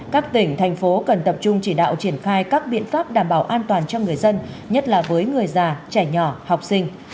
các tỉnh thành phố cần tập trung chỉ đạo triển khai các biện pháp đảm bảo an toàn cho người dân nhất là với người già trẻ nhỏ học sinh